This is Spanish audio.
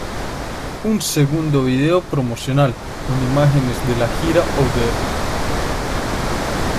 Un segundo video promocional, con imágenes de la gira "Out There!